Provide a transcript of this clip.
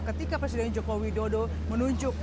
ketika presiden joko widodo menunjuk